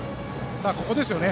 ここですよね